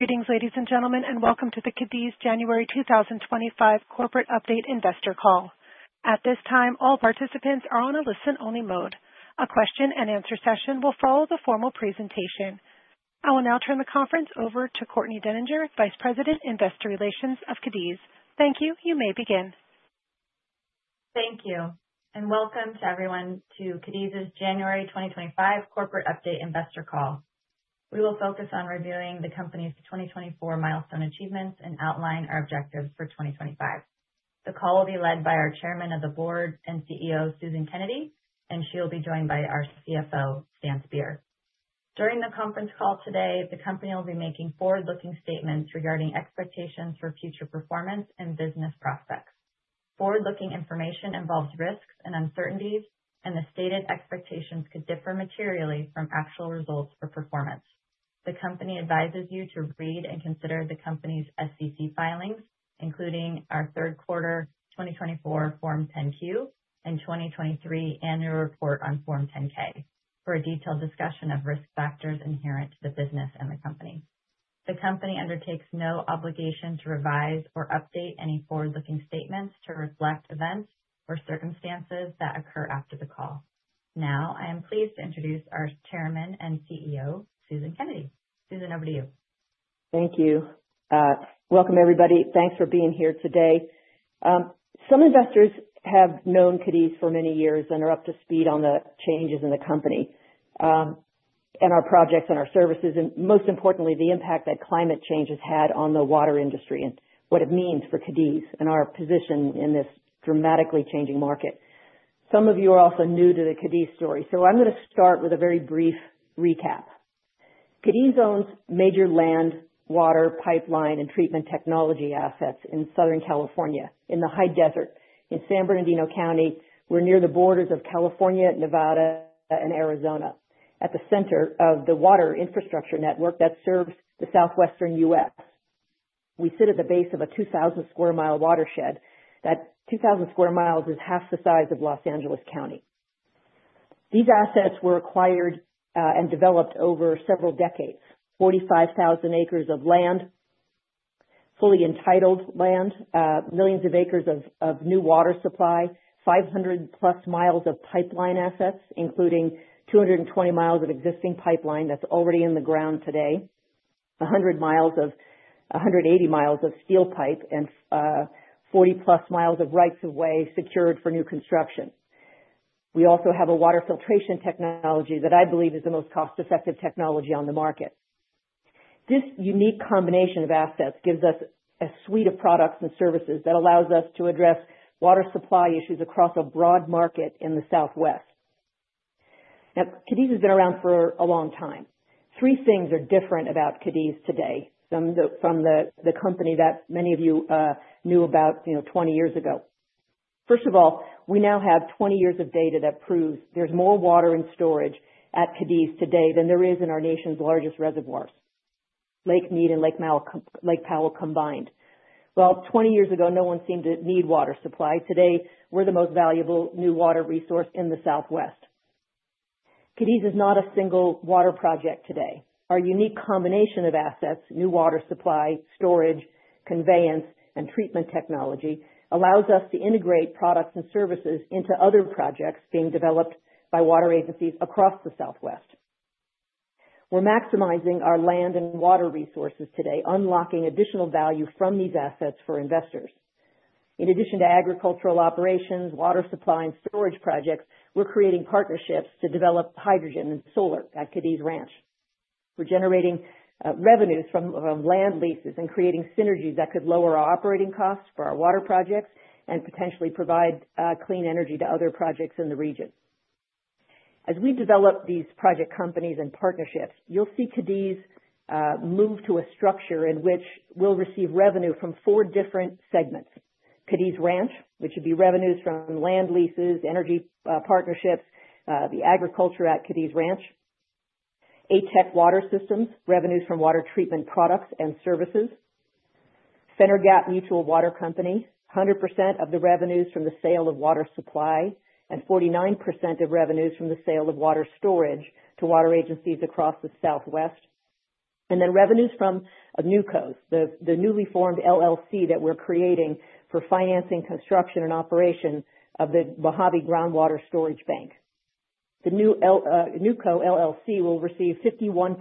Greetings, ladies and gentlemen, welcome to the Cadiz January 2025 corporate update investor call. At this time, all participants are on a listen-only mode. A question and answer session will follow the formal presentation. I will now turn the conference over to Courtney Degener, Vice President, Investor Relations of Cadiz. Thank you. You may begin. Thank you, welcome to everyone to Cadiz's January 2025 corporate update investor call. We will focus on reviewing the company's 2024 milestone achievements and outline our objectives for 2025. The call will be led by our Chairman of the Board and CEO, Susan Kennedy, she'll be joined by our CFO, Stan Speer. During the conference call today, the company will be making forward-looking statements regarding expectations for future performance and business prospects. Forward-looking information involves risks and uncertainties, the stated expectations could differ materially from actual results or performance. The company advises you to read and consider the company's SEC filings, including our third quarter 2024 Form 10-Q and 2023 annual report on Form 10-K, for a detailed discussion of risk factors inherent to the business and the company. The company undertakes no obligation to revise or update any forward-looking statements to reflect events or circumstances that occur after the call. Now, I am pleased to introduce our Chairman and CEO, Susan Kennedy. Susan, over to you. Thank you. Welcome, everybody. Thanks for being here today. Some investors have known Cadiz for many years are up to speed on the changes in the company, our projects and our services, most importantly, the impact that climate change has had on the water industry what it means for Cadiz our position in this dramatically changing market. Some of you are also new to the Cadiz story, I'm going to start with a very brief recap. Cadiz owns major land, water, pipeline, and treatment technology assets in Southern California, in the high desert in San Bernardino County. We're near the borders of California, Nevada, and Arizona, at the center of the water infrastructure network that serves the Southwestern U.S. We sit at the base of a 2,000 square mile watershed. That 2,000 square miles is half the size of Los Angeles County. These assets were acquired and developed over several decades. 45,000 acres of land, fully entitled land, millions of acres of new water supply, 500+ miles of pipeline assets, including 220 miles of existing pipeline that's already in the ground today, 180 miles of steel pipe, 40+ miles of rights of way secured for new construction. We also have a water filtration technology that I believe is the most cost-effective technology on the market. This unique combination of assets gives us a suite of products and services that allows us to address water supply issues across a broad market in the Southwest. Cadiz has been around for a long time. Three things are different about Cadiz today from the company that many of you knew about 20 years ago. We now have 20 years of data that proves there's more water in storage at Cadiz today than there is in our nation's largest reservoirs, Lake Mead and Lake Powell combined. 20 years ago, no one seemed to need water supply. Today, we're the most valuable new water resource in the Southwest. Cadiz is not a single water project today. Our unique combination of assets, new water supply, storage, conveyance, and treatment technology, allows us to integrate products and services into other projects being developed by water agencies across the Southwest. We're maximizing our land and water resources today, unlocking additional value from these assets for investors. In addition to agricultural operations, water supply, and storage projects, we're creating partnerships to develop hydrogen and solar at Cadiz Ranch. We're generating revenues from land leases and creating synergies that could lower our operating costs for our water projects and potentially provide clean energy to other projects in the region. As we develop these project companies and partnerships, you'll see Cadiz move to a structure in which we'll receive revenue from four different segments. Cadiz Ranch, which would be revenues from land leases, energy partnerships, the agriculture at Cadiz Ranch. ATEC Water Systems, revenues from water treatment products and services. Fenner Gap Mutual Water Company, 100% of the revenues from the sale of water supply and 49% of revenues from the sale of water storage to water agencies across the Southwest. Revenues from NewCo, the newly formed LLC that we're creating for financing construction and operation of the Mojave Groundwater Bank. The NewCo LLC will receive 51%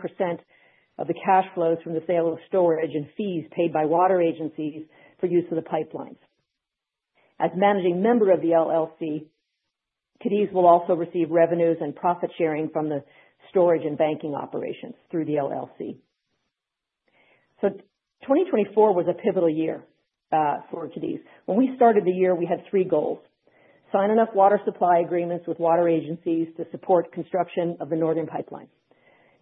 of the cash flows from the sale of storage and fees paid by water agencies for use of the pipelines. As managing member of the LLC, Cadiz will also receive revenues and profit sharing from the storage and banking operations through the LLC. 2024 was a pivotal year for Cadiz. When we started the year, we had three goals. Sign enough water supply agreements with water agencies to support construction of the Northern Pipeline.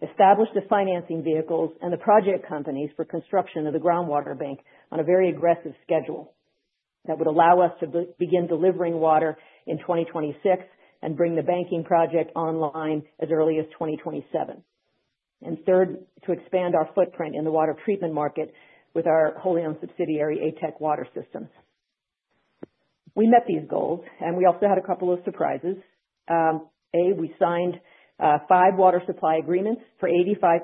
Establish the financing vehicles and the project companies for construction of the groundwater bank on a very aggressive schedule that would allow us to begin delivering water in 2026 and bring the banking project online as early as 2027. Third, to expand our footprint in the water treatment market with our wholly owned subsidiary, ATEC Water Systems. We met these goals. We also had a couple of surprises. We signed five water supply agreements for 85%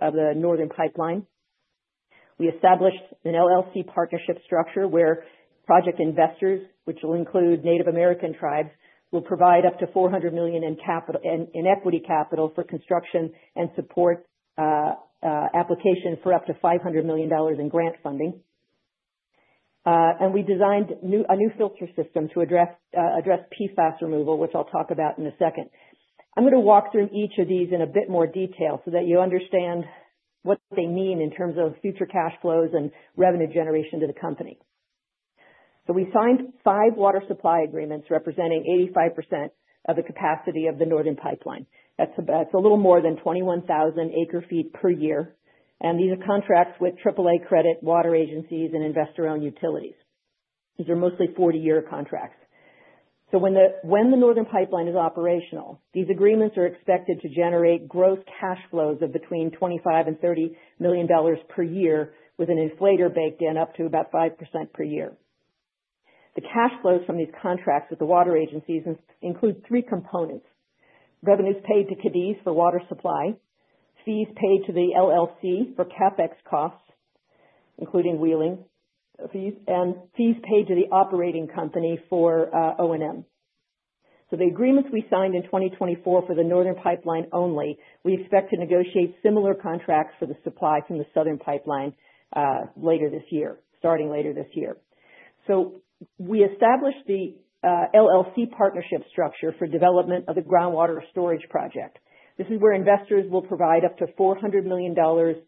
of the Northern Pipeline. We established an LLC partnership structure where project investors, which will include Native American tribes, will provide up to $400 million in equity capital for construction and support applications for up to $500 million in grant funding. We designed a new filter system to address PFAS removal, which I'll talk about in a second. I'm going to walk through each of these in a bit more detail so that you understand what they mean in terms of future cash flows and revenue generation to the company. We signed five water supply agreements representing 85% of the capacity of the Northern Pipeline. That's a little more than 21,000 acre-feet per year. These are contracts with AAA credit water agencies and investor-owned utilities. These are mostly 40-year contracts. When the Northern Pipeline is operational, these agreements are expected to generate gross cash flows of between $25 million and $30 million per year, with an inflator baked in up to about 5% per year. The cash flows from these contracts with the water agencies include three components. Revenues paid to Cadiz for water supply, fees paid to the LLC for CapEx costs, including wheeling fees, and fees paid to the operating company for O&M. The agreements we signed in 2024 for the Northern Pipeline only, we expect to negotiate similar contracts for the supply from the Southern Pipeline starting later this year. We established the LLC partnership structure for development of the groundwater storage project. This is where investors will provide up to $400 million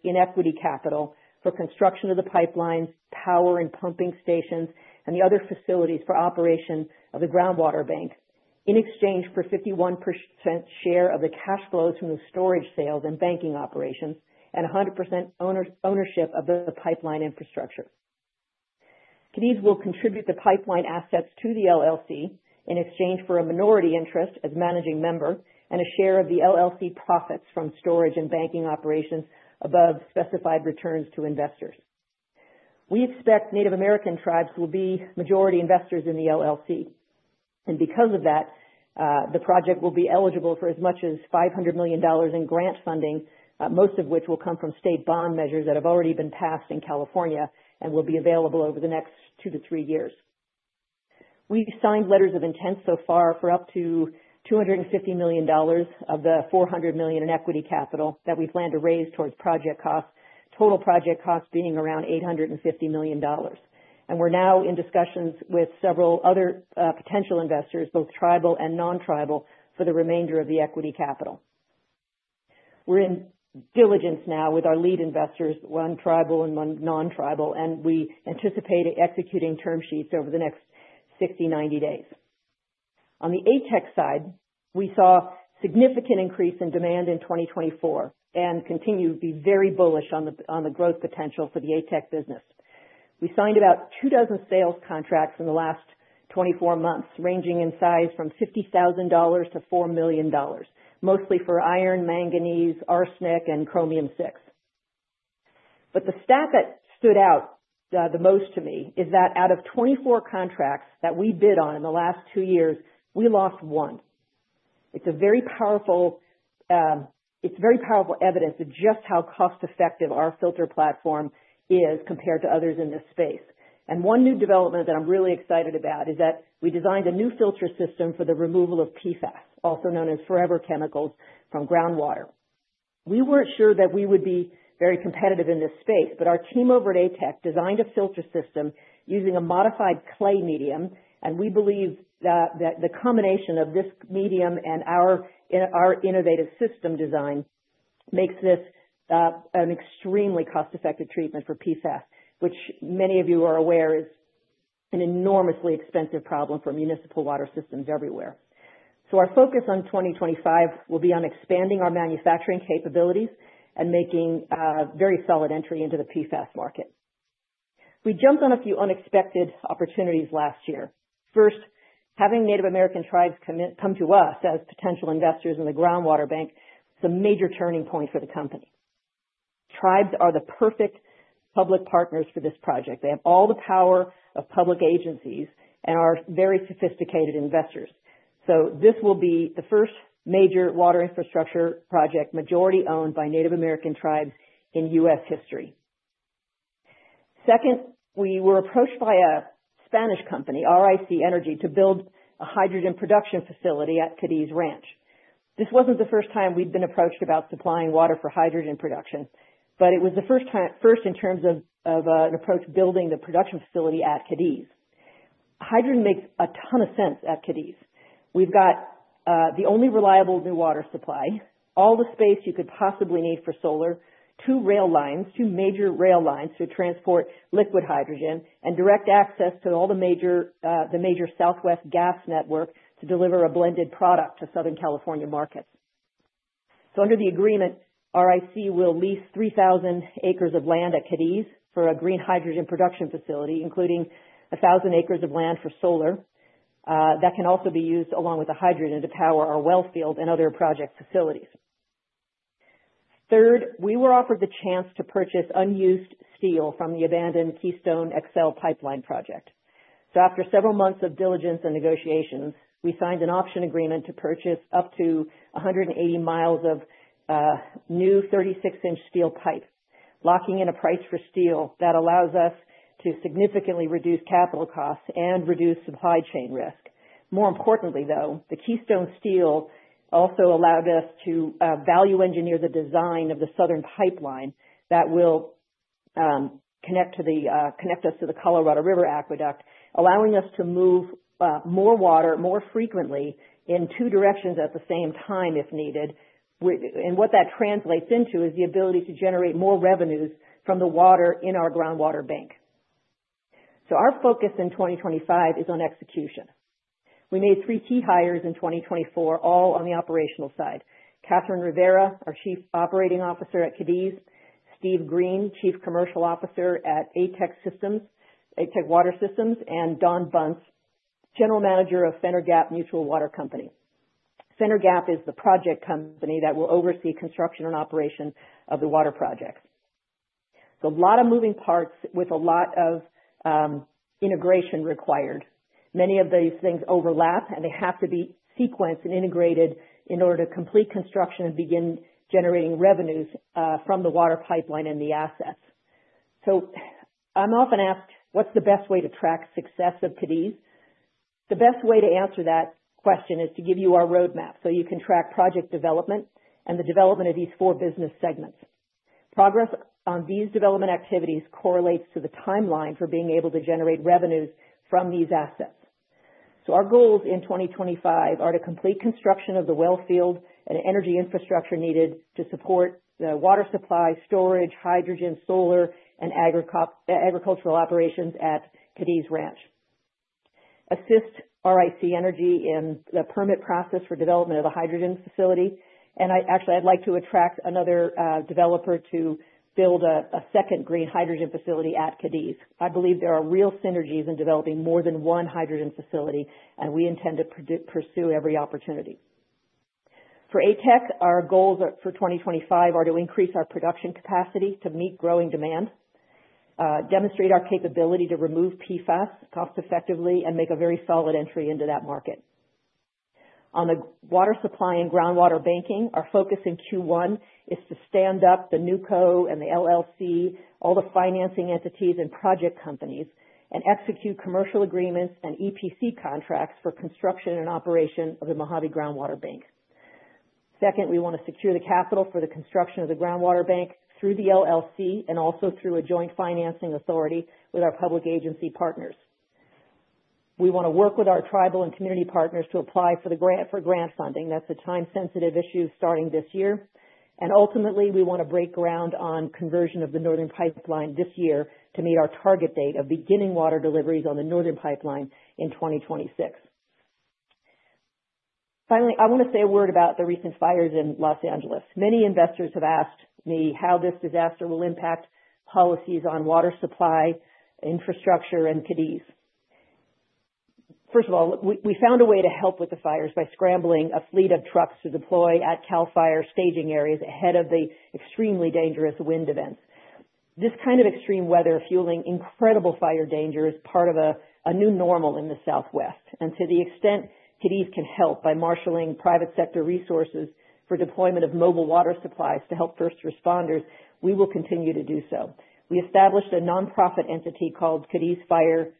in equity capital for construction of the pipelines, power and pumping stations, and the other facilities for operation of the groundwater bank in exchange for 51% share of the cash flows from the storage sales and banking operations and 100% ownership of the pipeline infrastructure. Cadiz will contribute the pipeline assets to the LLC in exchange for a minority interest as managing member and a share of the LLC profits from storage and banking operations above specified returns to investors. We expect Native American tribes will be majority investors in the LLC. Because of that, the project will be eligible for as much as $500 million in grant funding, most of which will come from state bond measures that have already been passed in California and will be available over the next two to three years. We've signed letters of intent so far for up to $250 million of the $400 million in equity capital that we plan to raise towards project costs, total project costs being around $850 million. We're now in discussions with several other potential investors, both tribal and non-tribal, for the remainder of the equity capital. We're in diligence now with our lead investors, one tribal and one non-tribal. We anticipate executing term sheets over the next 60-90 days. On the ATEC side, we saw significant increase in demand in 2024 and continue to be very bullish on the growth potential for the ATEC business. We signed about two dozen sales contracts in the last 24 months, ranging in size from $50,000-$4 million, mostly for iron, manganese, arsenic, and Chromium 6. The stat that stood out the most to me is that out of 24 contracts that we bid on in the last two years, we lost one. It's very powerful evidence of just how cost-effective our filter platform is compared to others in this space. One new development that I'm really excited about is that we designed a new filter system for the removal of PFAS, also known as forever chemicals, from groundwater. We weren't sure that we would be very competitive in this space, but our team over at ATEC designed a filter system using a modified clay medium, and we believe that the combination of this medium and our innovative system design makes this an extremely cost-effective treatment for PFAS, which many of you are aware is an enormously expensive problem for municipal water systems everywhere. Our focus on 2025 will be on expanding our manufacturing capabilities and making a very solid entry into the PFAS market. We jumped on a few unexpected opportunities last year. First, having Native American tribes come to us as potential investors in the groundwater bank was a major turning point for the company. Tribes are the perfect public partners for this project. They have all the power of public agencies and are very sophisticated investors. This will be the first major water infrastructure project majority owned by Native American tribes in U.S. history. Second, we were approached by a Spanish company, RIC Energy, to build a hydrogen production facility at Cadiz Ranch. This wasn't the first time we'd been approached about supplying water for hydrogen production, but it was the first in terms of an approach building the production facility at Cadiz. Hydrogen makes a ton of sense at Cadiz. We've got the only reliable new water supply, all the space you could possibly need for solar, two rail lines, two major rail lines to transport liquid hydrogen, and direct access to all the major Southwest gas network to deliver a blended product to Southern California markets. Under the agreement, RIC will lease 3,000 acres of land at Cadiz for a green hydrogen production facility, including 1,000 acres of land for solar. That can also be used along with the hydrogen to power our well field and other project facilities. Third, we were offered the chance to purchase unused steel from the abandoned Keystone XL Pipeline project. After several months of diligence and negotiations, we signed an option agreement to purchase up to 180 miles of new 36-inch steel pipe, locking in a price for steel that allows us to significantly reduce capital costs and reduce supply chain risk. More importantly, though, the Keystone steel also allowed us to value engineer the design of the southern pipeline that will connect us to the Colorado River Aqueduct, allowing us to move more water more frequently in two directions at the same time if needed. What that translates into is the ability to generate more revenues from the water in our groundwater bank. Our focus in 2025 is on execution. We made three key hires in 2024, all on the operational side. Cathryn Rivera, our Chief Operating Officer at Cadiz, Steve Green, Chief Commercial Officer at ATEC Water Systems, and Don Bunce, General Manager of Fenner Gap Mutual Water Company. Fenner Gap is the project company that will oversee construction and operation of the water projects. A lot of moving parts with a lot of integration required. Many of these things overlap, and they have to be sequenced and integrated in order to complete construction and begin generating revenues from the water pipeline and the assets. I am often asked, what is the best way to track success of Cadiz? The best way to answer that question is to give you our roadmap so you can track project development and the development of these four business segments. Progress on these development activities correlates to the timeline for being able to generate revenues from these assets. Our goals in 2025 are to complete construction of the well field and energy infrastructure needed to support the water supply, storage, hydrogen, solar, and agricultural operations at Cadiz Ranch. Assist RIC Energy in the permit process for development of the hydrogen facility. Actually, I would like to attract another developer to build a second green hydrogen facility at Cadiz. I believe there are real synergies in developing more than one hydrogen facility, and we intend to pursue every opportunity. For ATEC, our goals for 2025 are to increase our production capacity to meet growing demand, demonstrate our capability to remove PFAS cost-effectively, and make a very solid entry into that market. On the water supply and groundwater banking, our focus in Q1 is to stand up the NewCo and the LLC, all the financing entities and project companies, and execute commercial agreements and EPC contracts for construction and operation of the Mojave Groundwater Bank. Second, we want to secure the capital for the construction of the groundwater bank through the LLC and also through a joint financing authority with our public agency partners. We want to work with our tribal and community partners to apply for grant funding. That is a time-sensitive issue starting this year. Ultimately, we want to break ground on conversion of the Northern Pipeline this year to meet our target date of beginning water deliveries on the Northern Pipeline in 2026. Finally, I want to say a word about the recent fires in Los Angeles. Many investors have asked me how this disaster will impact policies on water supply, infrastructure, and Cadiz. First of all, we found a way to help with the fires by scrambling a fleet of trucks to deploy at CAL FIRE staging areas ahead of the extremely dangerous wind events. This kind of extreme weather fueling incredible fire danger is part of a new normal in the Southwest. To the extent Cadiz can help by marshaling private sector resources for deployment of mobile water supplies to help first responders, we will continue to do so. We established a nonprofit entity called Cadiz Fire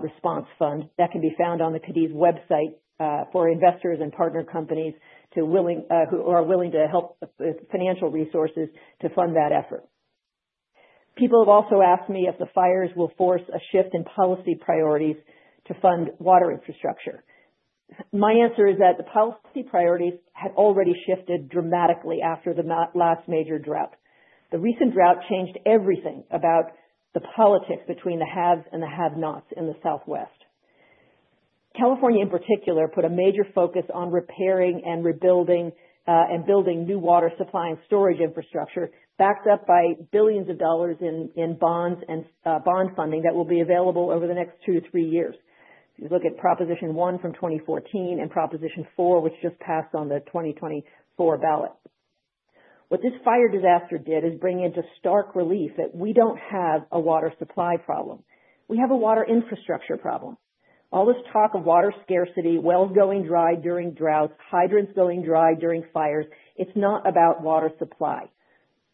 Response Fund that can be found on the Cadiz website for investors and partner companies who are willing to help with financial resources to fund that effort. People have also asked me if the fires will force a shift in policy priorities to fund water infrastructure. My answer is that the policy priorities had already shifted dramatically after the last major drought. The recent drought changed everything about the politics between the haves and the have-nots in the Southwest. California in particular put a major focus on repairing and rebuilding, and building new water supply and storage infrastructure backed up by billions of dollars in bond funding that will be available over the next two to three years. If you look at Proposition 1 from 2014 and Proposition 4, which just passed on the 2024 ballot. What this fire disaster did is bring into stark relief that we don't have a water supply problem. We have a water infrastructure problem. All this talk of water scarcity, wells going dry during droughts, hydrants going dry during fires, it's not about water supply.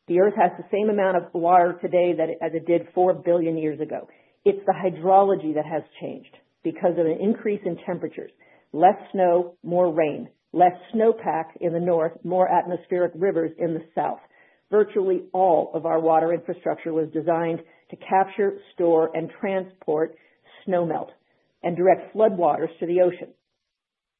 The Earth has the same amount of water today as it did 4 billion years ago. It's the hydrology that has changed because of an increase in temperatures. Less snow, more rain. Less snowpack in the north, more atmospheric rivers in the south. Virtually all of our water infrastructure was designed to capture, store, and transport snow melt and direct floodwaters to the ocean.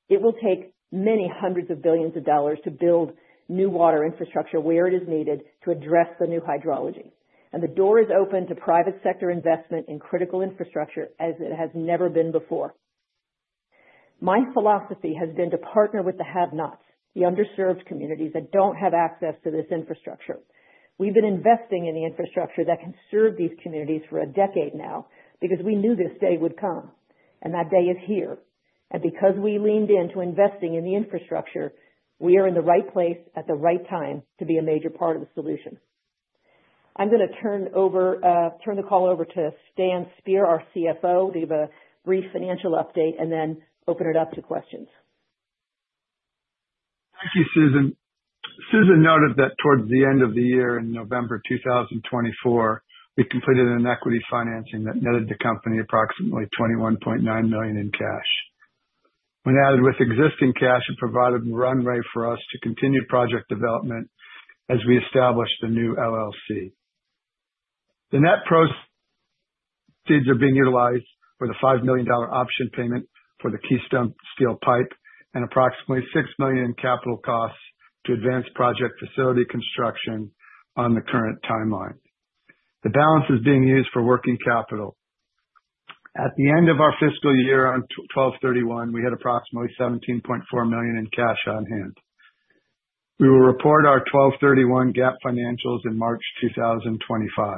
It will take many hundreds of billions of dollars to build new water infrastructure where it is needed to address the new hydrology. The door is open to private sector investment in critical infrastructure as it has never been before. My philosophy has been to partner with the have-nots, the underserved communities that don't have access to this infrastructure. We've been investing in the infrastructure that can serve these communities for a decade now because we knew this day would come, and that day is here. Because we leaned in to investing in the infrastructure, we are in the right place at the right time to be a major part of the solution. I'm going to turn the call over to Stan Speer, our CFO, to give a brief financial update and then open it up to questions. Thank you, Susan. Susan noted that towards the end of the year, in November 2024, we completed an equity financing that netted the company approximately $21.9 million in cash. When added with existing cash, it provided runway for us to continue project development as we established the new LLC. The net proceeds are being utilized for the $5 million option payment for the Keystone Steel pipe and approximately $6 million in capital costs to advance project facility construction on the current timeline. The balance is being used for working capital. At the end of our fiscal year, on 12/31, we had approximately $17.4 million in cash on hand. We will report our 12/31 GAAP financials in March 2025.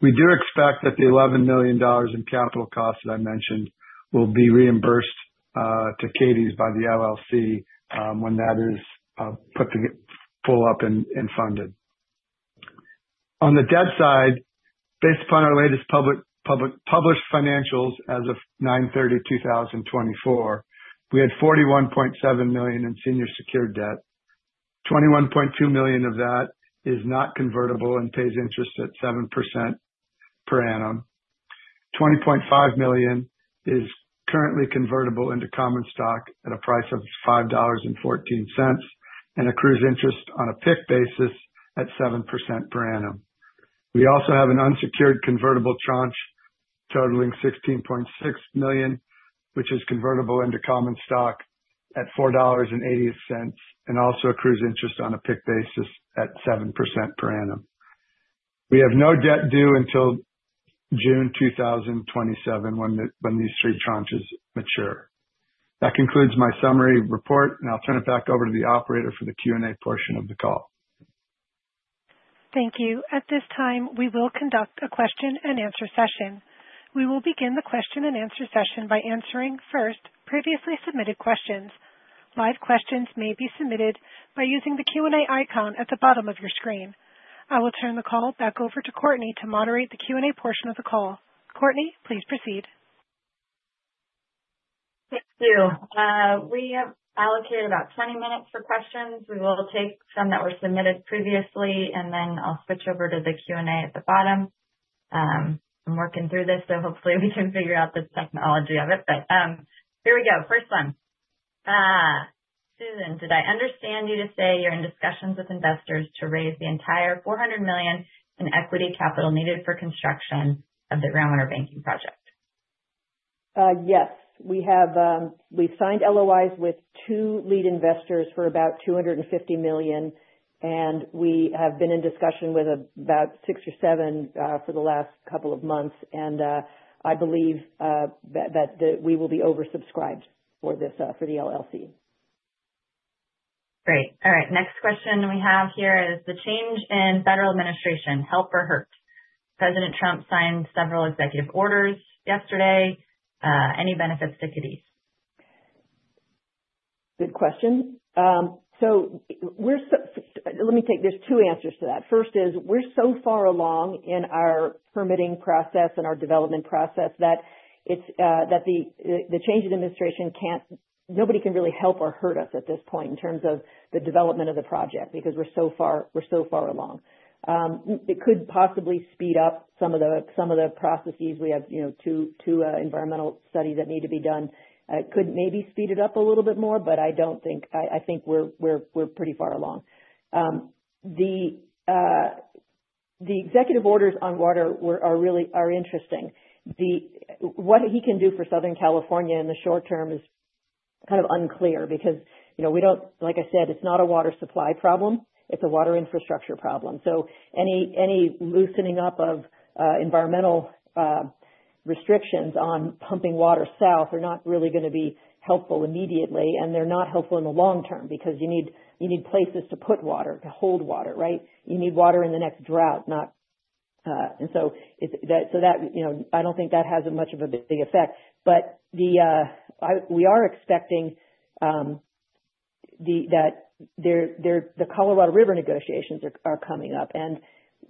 We do expect that the $11 million in capital costs that I mentioned will be reimbursed to Cadiz by the LLC when that is put full up and funded. On the debt side, based upon our latest published financials as of 9/30/2024, we had $41.7 million in senior secured debt. $21.2 million of that is not convertible and pays interest at 7% per annum. $20.5 million is currently convertible into common stock at a price of $5.14 and accrues interest on a PIK basis at 7% per annum. We also have an unsecured convertible tranche totaling $16.6 million, which is convertible into common stock at $4.80, and also accrues interest on a PIK basis at 7% per annum. We have no debt due until June 2027, when these three tranches mature. That concludes my summary report. I'll turn it back over to the operator for the Q&A portion of the call. Thank you. At this time, we will conduct a question and answer session. We will begin the question and answer session by answering first previously submitted questions. Live questions may be submitted by using the Q&A icon at the bottom of your screen. I will turn the call back over to Courtney to moderate the Q&A portion of the call. Courtney, please proceed. Thank you. We have allocated about 20 minutes for questions. We will take some that were submitted previously. I'll switch over to the Q&A at the bottom. I'm working through this. Hopefully we can figure out the technology of it. Here we go. First one. Susan, did I understand you to say you're in discussions with investors to raise the entire $400 million in equity capital needed for construction of the Groundwater Banking Project? Yes. We signed LOIs with two lead investors for about $250 million, and we have been in discussion with about six or seven for the last couple of months. I believe that we will be oversubscribed for the LLC. Great. All right. Next question we have here is the change in federal administration, help or hurt? President Trump signed several executive orders yesterday. Any benefits to Cadiz? Good question. There's two answers to that. First is, we're so far along in our permitting process and our development process that the change in administration, nobody can really help or hurt us at this point in terms of the development of the project, because we're so far along. It could possibly speed up some of the processes we have, two environmental studies that need to be done could maybe speed it up a little bit more, but I think we're pretty far along. The executive orders on water are interesting. What he can do for Southern California in the short term is kind of unclear because, like I said, it's not a water supply problem, it's a water infrastructure problem. Any loosening up of environmental restrictions on pumping water south are not really going to be helpful immediately, and they're not helpful in the long term because you need places to put water, to hold water, right? You need water in the next drought. I don't think that has much of a big effect. We are expecting that the Colorado River negotiations are coming up, and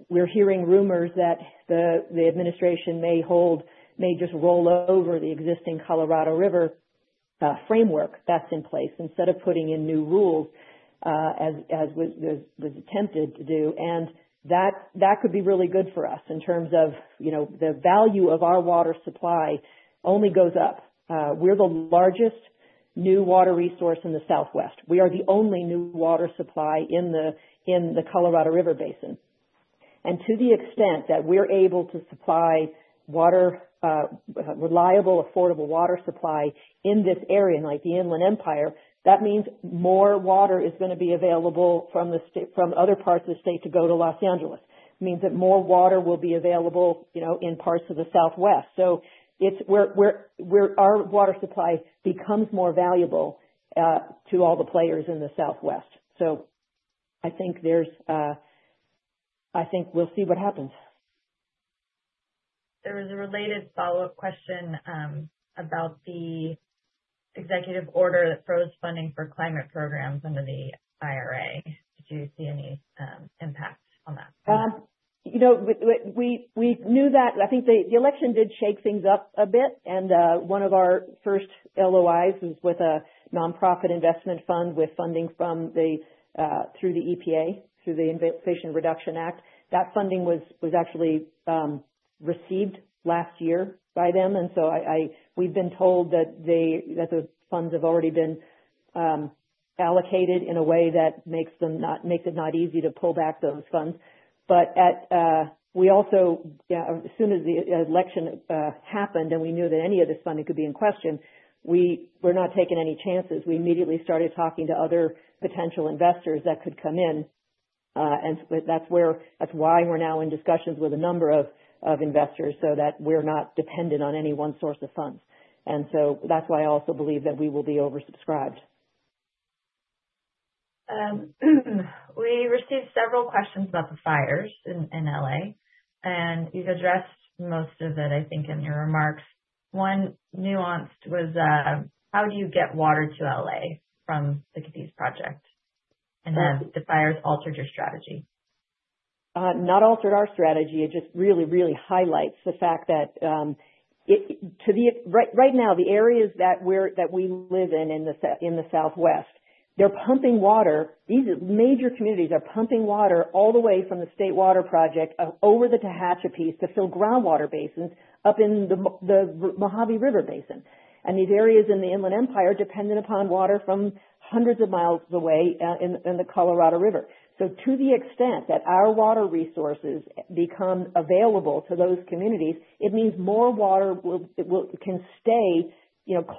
we're hearing rumors that the administration may just roll over the existing Colorado River framework that's in place instead of putting in new rules, as was attempted to do, and that could be really good for us in terms of the value of our water supply only goes up. We're the largest new water resource in the Southwest. We are the only new water supply in the Colorado River basin. To the extent that we're able to supply reliable, affordable water supply in this area, like the Inland Empire, that means more water is going to be available from other parts of the state to go to Los Angeles. Means that more water will be available in parts of the Southwest. Our water supply becomes more valuable to all the players in the Southwest. I think we'll see what happens. There was a related follow-up question about the executive order that throws funding for climate programs under the IRA. Did you see any impact on that front? We knew that. I think the election did shake things up a bit. One of our first LOIs was with a nonprofit investment fund with funding through the EPA, through the Inflation Reduction Act. That funding was actually received last year by them. We've been told that those funds have already been allocated in a way that makes it not easy to pull back those funds. As soon as the election happened, and we knew that any of this funding could be in question, we were not taking any chances. We immediately started talking to other potential investors that could come in. That's why we're now in discussions with a number of investors so that we're not dependent on any one source of funds. That's why I also believe that we will be oversubscribed. We received several questions about the fires in L.A. You've addressed most of it, I think, in your remarks. One nuanced was, how do you get water to L.A. from the Cadiz project? Have the fires altered your strategy? Not altered our strategy. It just really highlights the fact that right now, the areas that we live in the Southwest, they're pumping water. These are major communities. They're pumping water all the way from the State Water Project over the Tehachapis to fill groundwater basins up in the Mojave River Basin. These areas in the Inland Empire dependent upon water from hundreds of miles away in the Colorado River. To the extent that our water resources become available to those communities, it means more water can stay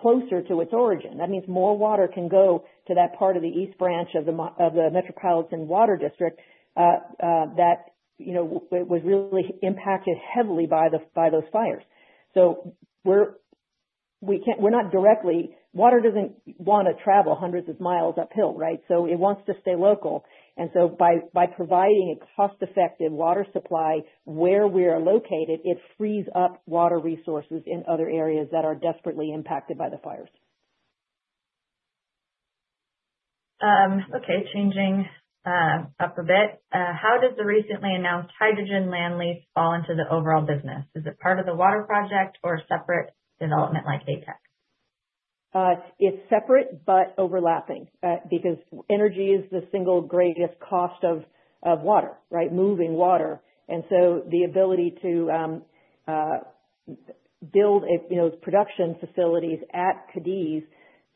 closer to its origin. That means more water can go to that part of the east branch of the Metropolitan Water District that was really impacted heavily by those fires. Water doesn't want to travel hundreds of miles uphill, right? It wants to stay local. By providing a cost-effective water supply where we are located, it frees up water resources in other areas that are desperately impacted by the fires. Okay, changing up a bit. How does the recently announced hydrogen land lease fall into the overall business? Is it part of the water project or a separate development like ATEC? It's separate but overlapping because energy is the single greatest cost of water, right? Moving water. The ability to build production facilities at Cadiz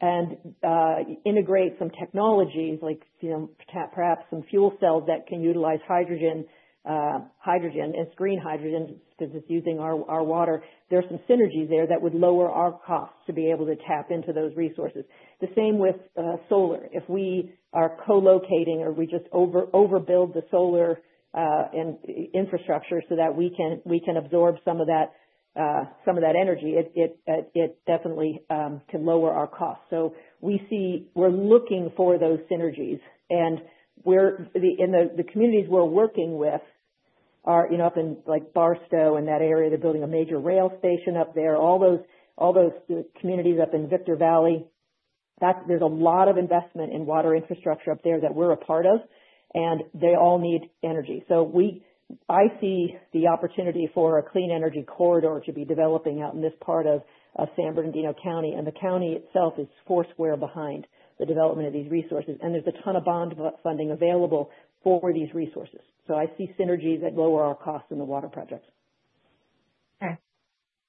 and integrate some technologies like perhaps some fuel cells that can utilize hydrogen. It's green hydrogen because it's using our water. There's some synergies there that would lower our costs to be able to tap into those resources. The same with solar. If we are co-locating or we just overbuild the solar infrastructure so that we can absorb some of that energy, it definitely can lower our costs. We're looking for those synergies and the communities we're working with are up in Barstow and that area. They're building a major rail station up there. All those communities up in Victor Valley, there's a lot of investment in water infrastructure up there that we're a part of, and they all need energy. I see the opportunity for a clean energy corridor to be developing out in this part of San Bernardino County, and the county itself is foursquare behind the development of these resources. There's a ton of bond funding available for these resources. I see synergies that lower our costs in the water projects. Okay.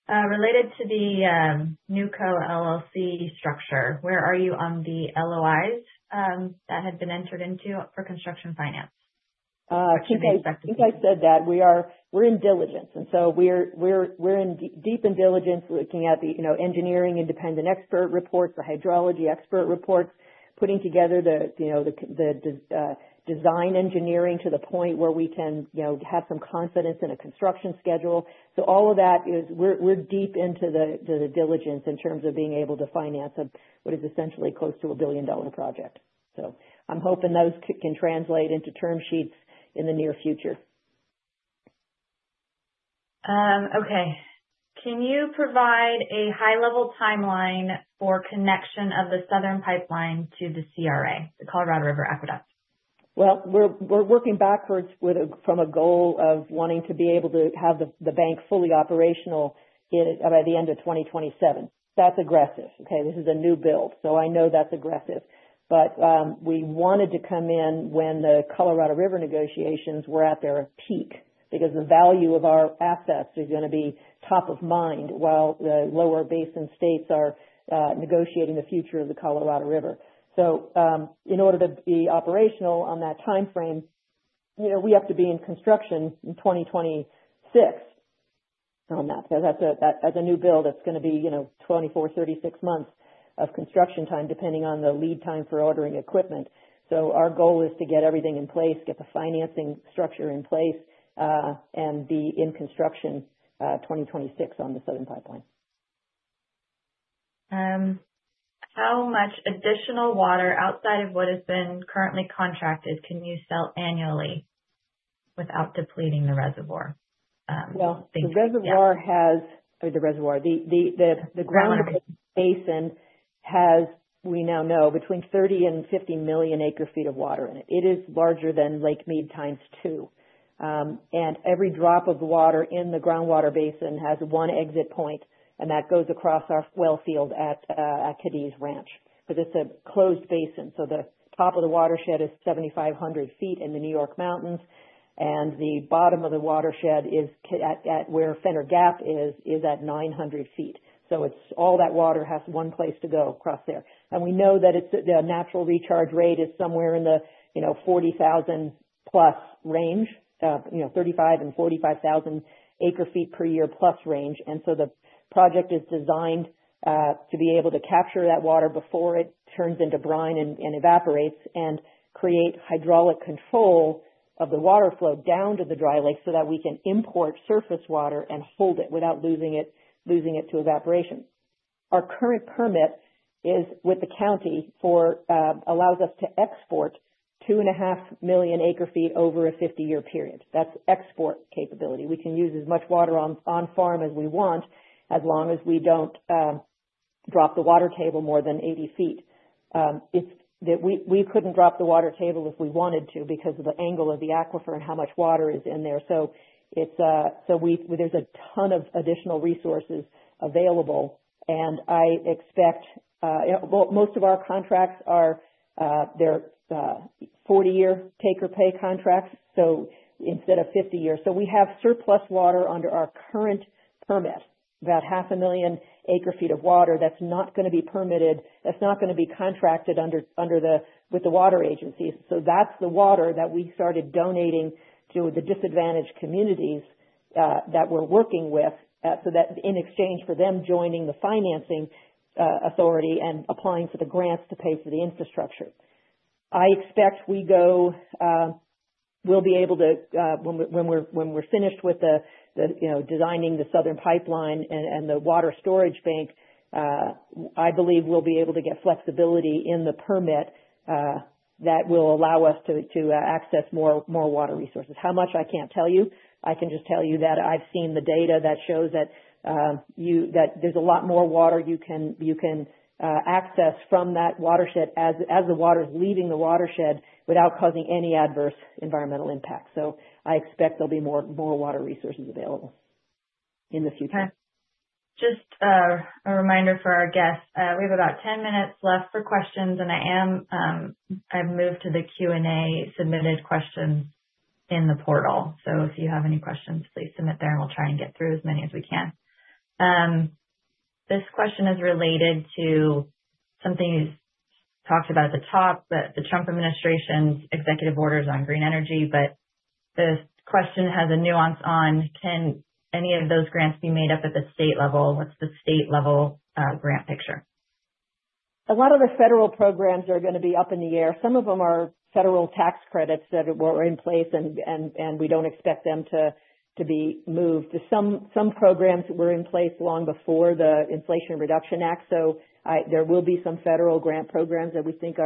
Related to the NewCo LLC structure, where are you on the LOIs that have been entered into for construction finance with your prospective partners? I think I said that we're in diligence. We're deep in diligence, looking at the engineering independent expert reports, the hydrology expert reports. Putting together the design engineering to the point where we can have some confidence in a construction schedule. All of that is we're deep into the diligence in terms of being able to finance what is essentially close to a billion-dollar project. I'm hoping those can translate into term sheets in the near future. Okay. Can you provide a high-level timeline for connection of the southern pipeline to the CRA, the Colorado River Aqueduct? We're working backwards from a goal of wanting to be able to have the bank fully operational by the end of 2027. That's aggressive, okay? This is a new build, I know that's aggressive. We wanted to come in when the Colorado River negotiations were at their peak because the value of our assets is going to be top of mind while the lower basin states are negotiating the future of the Colorado River. In order to be operational on that timeframe, we have to be in construction in 2026 on that. That's a new build that's going to be 24, 36 months of construction time, depending on the lead time for ordering equipment. Our goal is to get everything in place, get the financing structure in place, and be in construction 2026 on the southern pipeline. How much additional water outside of what has been currently contracted can you sell annually without depleting the reservoir? Thank you. Well, the groundwater basin has, we now know, between 30 million and 50 million acre-feet of water in it. It is larger than Lake Mead times two. Every drop of water in the groundwater basin has one exit point, and that goes across our well field at Cadiz Ranch. This is a closed basin, the top of the watershed is 7,500 feet in the New York mountains, and the bottom of the watershed is at where Fenner Gap is at 900 feet. All that water has one place to go, across there. We know that the natural recharge rate is somewhere in the 40,000-plus range, 35,000 and 45,000 acre-feet per year plus range. The project is designed to be able to capture that water before it turns into brine and evaporates and create hydraulic control of the water flow down to the dry lake, so that we can import surface water and hold it without losing it to evaporation. Our current permit is with the county, allows us to export 2.5 million acre-feet over a 50-year period. That's export capability. We can use as much water on farm as we want, as long as we don't drop the water table more than 80 feet. We couldn't drop the water table if we wanted to because of the angle of the aquifer and how much water is in there. Well, there's a ton of additional resources available, and Well, most of our contracts are 40-year take or pay contracts, instead of 50 years. We have surplus water under our current permit, about 0.5 million acre-feet of water that's not going to be permitted, that's not going to be contracted with the water agencies. That's the water that we started donating to the disadvantaged communities that we're working with, so that in exchange for them joining the financing authority and applying for the grants to pay for the infrastructure. I expect we'll be able to, when we're finished with the designing the southern pipeline and the Mojave Groundwater Bank, I believe we'll be able to get flexibility in the permit that will allow us to access more water resources. How much, I can't tell you. I can just tell you that I've seen the data that shows that there's a lot more water you can access from that watershed as the water's leaving the watershed without causing any adverse environmental impact. I expect there'll be more water resources available in the future. Okay. Just a reminder for our guests. We have about 10 minutes left for questions, and I've moved to the Q&A submitted questions in the portal. If you have any questions, please submit there, and we'll try and get through as many as we can. This question is related to something you talked about at the top, the Donald Trump administration's executive orders on green energy. This question has a nuance on can any of those grants be made up at the state level? What's the state-level grant picture? A lot of the federal programs are going to be up in the air. Some of them are federal tax credits that were in place, and we don't expect them to be moved. Some programs were in place long before the Inflation Reduction Act, there will be some federal grant programs that we think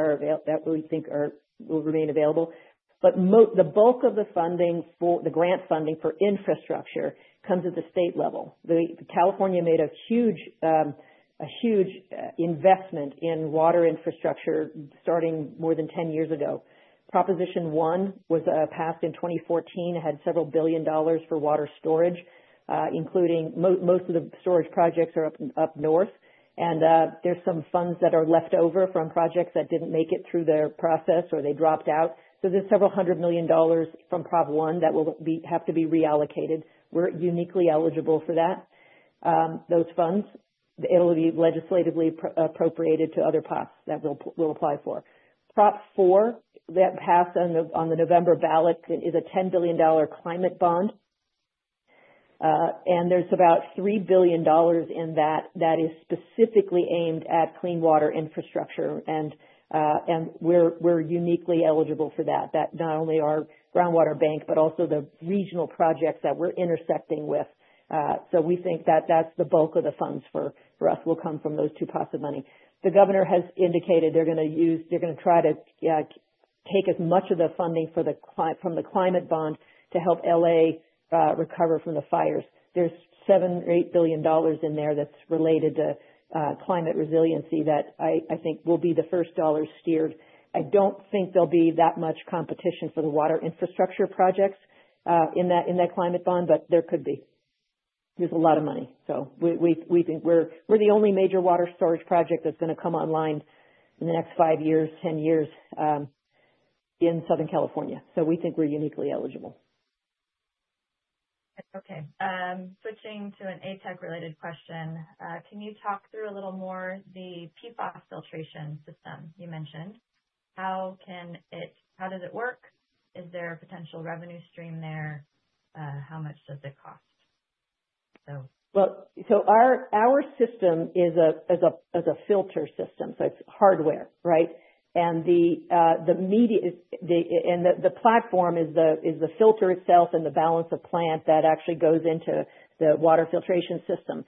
will remain available. The bulk of the grant funding for infrastructure comes at the state level. California made a huge investment in water infrastructure starting more than 10 years ago. Proposition 1 was passed in 2014. It had several billion dollars for water storage. Most of the storage projects are up north, and there's some funds that are left over from projects that didn't make it through their process, or they dropped out. There's several hundred million dollars from Prop 1 that will have to be reallocated. We're uniquely eligible for those funds. It'll be legislatively appropriated to other pots that we'll apply for. Prop 4, that passed on the November ballot, is a $10 billion climate bond. There's about $3 billion in that that is specifically aimed at clean water infrastructure, and we're uniquely eligible for that. Not only our groundwater bank, but also the regional projects that we're intersecting with. We think that that's the bulk of the funds for us will come from those two pots of money. The governor has indicated they're going to try to take as much of the funding from the climate bond to help L.A. recover from the fires. There's $7 or $8 billion in there that's related to climate resiliency that I think will be the first dollars steered. I don't think there'll be that much competition for the water infrastructure projects in that climate bond, there could be. There's a lot of money. We're the only major water storage project that's going to come online in the next five years, 10 years, in Southern California. We think we're uniquely eligible. Okay. Switching to an ATEC-related question. Can you talk through a little more the PFAS filtration system you mentioned? How does it work? Is there a potential revenue stream there? How much does it cost? Well, our system is a filter system, so it's hardware. Right? The platform is the filter itself and the balance of plant that actually goes into the water filtration system.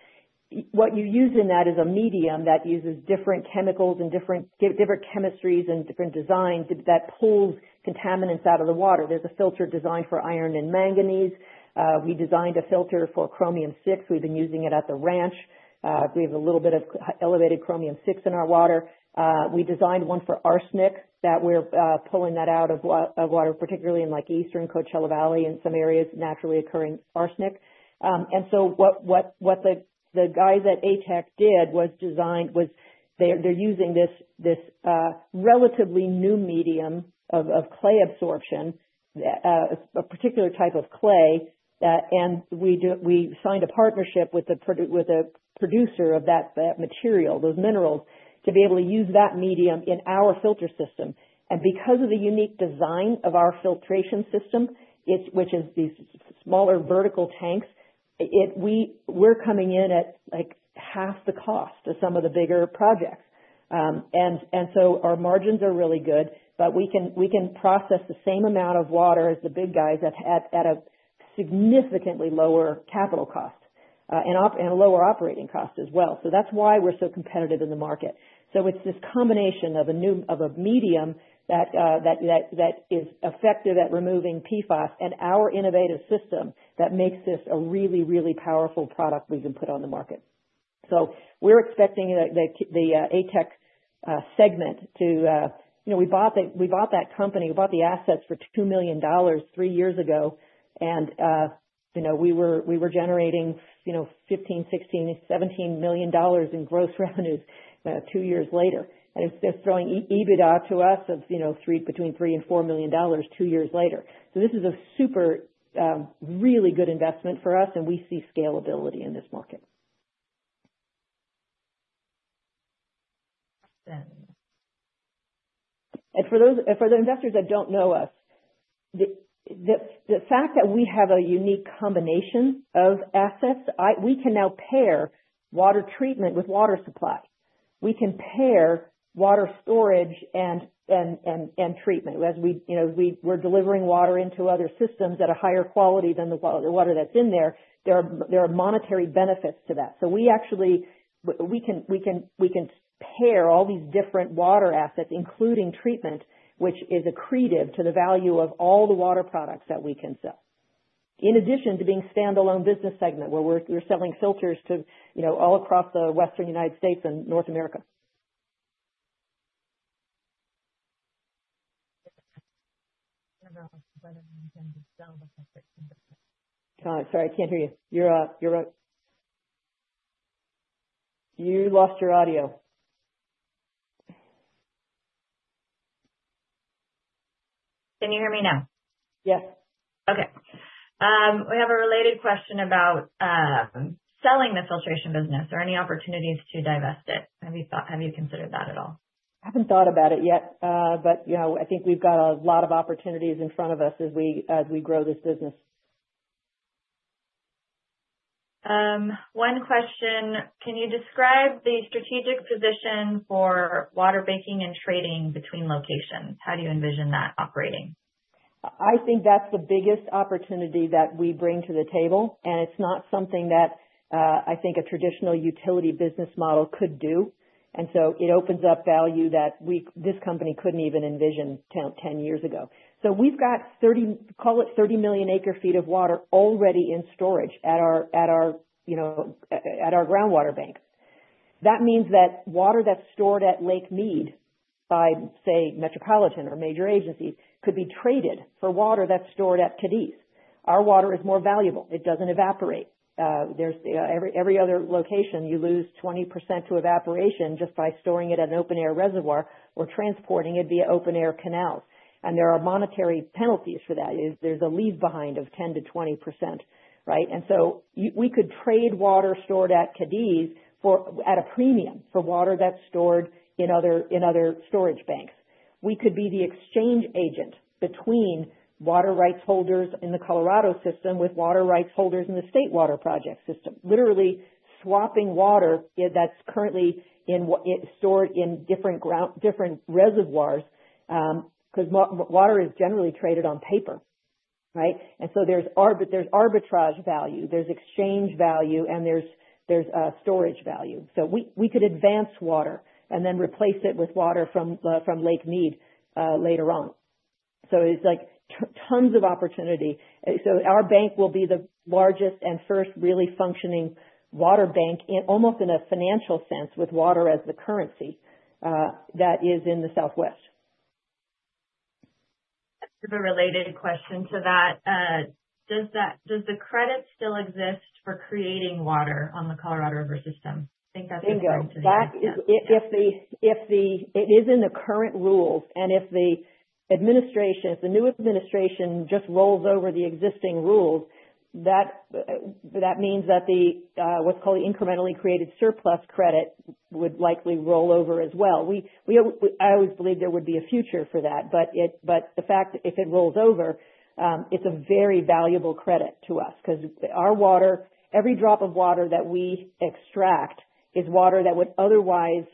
What you use in that is a medium that uses different chemicals and different chemistries and different designs that pulls contaminants out of the water. There's a filter designed for iron and manganese. We designed a filter for chromium-6. We've been using it at the ranch. We have a little bit of elevated chromium-6 in our water. We designed one for arsenic that we're pulling that out of water, particularly in Eastern Coachella Valley and some areas, naturally occurring arsenic. What the guys at ATEC did was they're using this relatively new medium of clay absorption, a particular type of clay. We signed a partnership with a producer of that material, those minerals, to be able to use that medium in our filter system. Because of the unique design of our filtration system, which is these smaller vertical tanks, we're coming in at half the cost of some of the bigger projects. Our margins are really good, but we can process the same amount of water as the big guys at a significantly lower capital cost, and a lower operating cost as well. That's why we're so competitive in the market. It's this combination of a medium that is effective at removing PFOS and our innovative system that makes this a really powerful product we can put on the market. We're expecting the ATEC segment. We bought that company, we bought the assets for $2 million three years ago, we were generating $15, 16, $17 million in gross revenues two years later. It's throwing EBITDA to us of between $3 and $4 million two years later. This is a super, really good investment for us, and we see scalability in this market. Thanks. For the investors that don't know us, the fact that we have a unique combination of assets, we can now pair water treatment with water supply. We can pair water storage and treatment. As we're delivering water into other systems at a higher quality than the water that's in there are monetary benefits to that. We can pair all these different water assets, including treatment, which is accretive to the value of all the water products that we can sell. In addition to being a standalone business segment where we're selling filters all across the western United States and North America. Sorry, I can't hear you. You lost your audio. Can you hear me now? Yes. Okay. We have a related question about selling the filtration business. Are any opportunities to divest it? Have you considered that at all? I haven't thought about it yet. I think we've got a lot of opportunities in front of us as we grow this business. One question, can you describe the strategic position for water banking and trading between locations? How do you envision that operating? I think that's the biggest opportunity that we bring to the table. It's not something that I think a traditional utility business model could do, it opens up value that this company couldn't even envision 10 years ago. We've got, call it 30 million acre-feet of water already in storage at our groundwater banks. That means that water that's stored at Lake Mead by, say, Metropolitan or major agencies, could be traded for water that's stored at Cadiz. Our water is more valuable. It doesn't evaporate. Every other location, you lose 20% to evaporation just by storing it at an open air reservoir or transporting it via open air canals. There are monetary penalties for that. There's a leave behind of 10%-20%. Right? We could trade water stored at Cadiz at a premium for water that's stored in other storage banks. We could be the exchange agent between water rights holders in the Colorado system with water rights holders in the State Water Project system, literally swapping water that's currently stored in different reservoirs because water is generally traded on paper. Right? There's arbitrage value, there's exchange value, and there's storage value. We could advance water and then replace it with water from Lake Mead later on. It's like tons of opportunity. Our bank will be the largest and first really functioning water bank in almost in a financial sense, with water as the currency, that is in the Southwest. A sort of related question to that. Does the credit still exist for creating water on the Colorado River system? I think that's a term. There you go. It is in the current rules. If the administration, if the new administration just rolls over the existing rules, that means that the, what's called the incrementally created surplus credit would likely roll over as well. I always believed there would be a future for that. The fact, if it rolls over, it's a very valuable credit to us because our water, every drop of water that we extract is water that would otherwise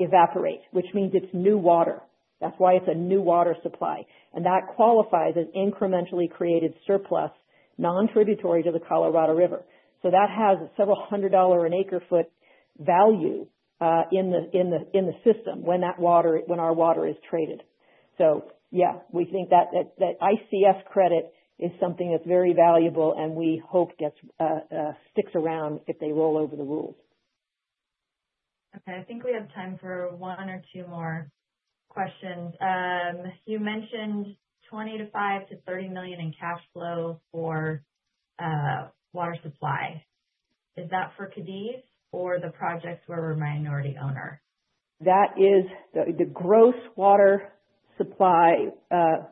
evaporate, which means it's new water. That's why it's a new water supply, and that qualifies as incrementally created surplus, non-tributary to the Colorado River. That has several hundred dollars an acre-foot value in the system when our water is traded. Yeah, we think that ICS credit is something that's very valuable and we hope sticks around if they roll over the rules. Okay. I think we have time for one or two more questions. You mentioned $25 million-$30 million in cash flow for water supply. Is that for Cadiz or the projects where we're a minority owner? That is the gross water supply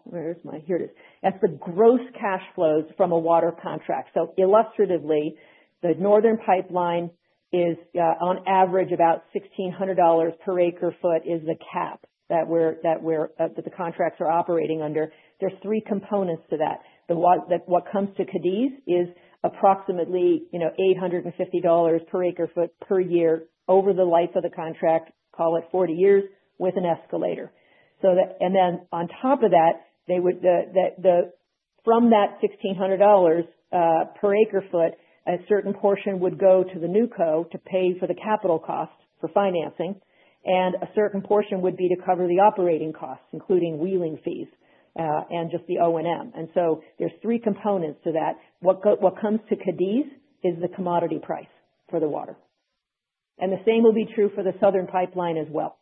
Where is my Here it is. That's the gross cash flows from a water contract. Illustratively, the Northern Pipeline is, on average, about $1,600 per acre-foot is the cap that the contracts are operating under. There's three components to that. What comes to Cadiz is approximately $850 per acre-foot per year over the life of the contract, call it 40 years, with an escalator. On top of that, from that $1,600 per acre-foot, a certain portion would go to the NewCo to pay for the capital costs for financing, and a certain portion would be to cover the operating costs, including wheeling fees, and just the O&M. There's three components to that. What comes to Cadiz is the commodity price for the water. The same will be true for the Southern Pipeline as well.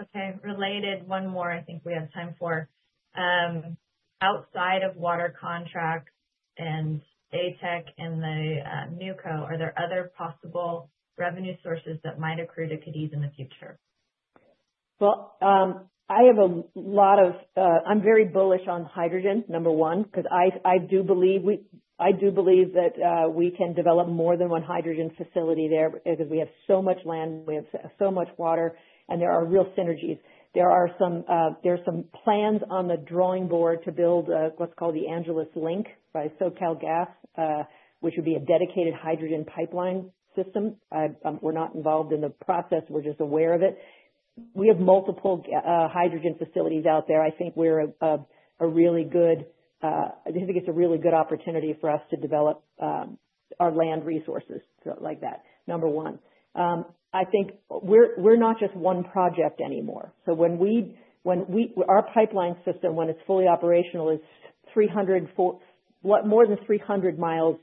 Okay, related. One more, I think we have time for. Outside of water contracts and ATEC and the NewCo, are there other possible revenue sources that might accrue to Cadiz in the future? I'm very bullish on hydrogen, number one, because I do believe that we can develop more than one hydrogen facility there because we have so much land, we have so much water, and there are real synergies. There's some plans on the drawing board to build what's called the Angeles Link by SoCalGas, which would be a dedicated hydrogen pipeline system. We're not involved in the process, we're just aware of it. We have multiple hydrogen facilities out there. I think it's a really good opportunity for us to develop our land resources like that, number one. I think we're not just one project anymore. Our pipeline system, when it's fully operational, is more than 300 miles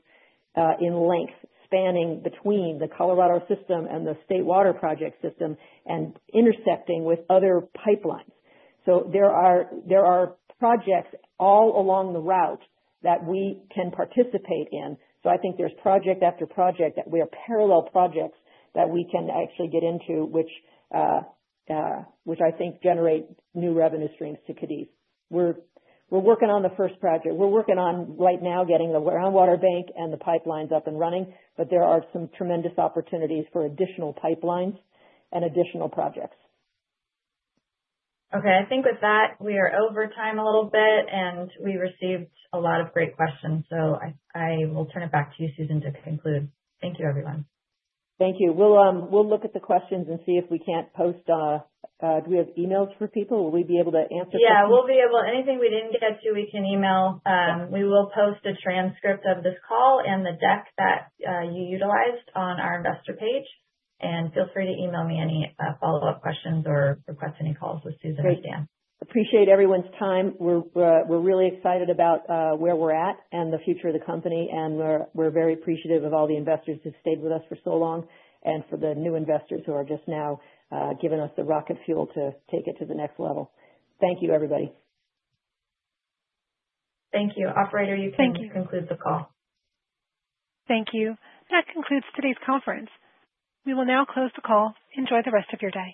in length, spanning between the Colorado system and the State Water Project system and intersecting with other pipelines. There are projects all along the route that we can participate in. I think there's project after project that we have parallel projects that we can actually get into, which I think generate new revenue streams to Cadiz. We're working on the first project. We're working on right now getting the groundwater bank and the pipelines up and running, but there are some tremendous opportunities for additional pipelines and additional projects. Okay. I think with that, we are over time a little bit, and we received a lot of great questions. I will turn it back to you, Susan, to conclude. Thank you, everyone. Thank you. We'll look at the questions and see if we can't post. Do we have emails for people? Yeah. We'll be able to. Anything we didn't get to, we can email. We will post a transcript of this call and the deck that you utilized on our investor page. Feel free to email me any follow-up questions or request any calls with Susan or Stan. Great. Appreciate everyone's time. We're really excited about where we're at and the future of the company, and we're very appreciative of all the investors who've stayed with us for so long and for the new investors who are just now giving us the rocket fuel to take it to the next level. Thank you, everybody. Thank you. Operator, you can conclude the call. Thank you. That concludes today's conference. We will now close the call. Enjoy the rest of your day.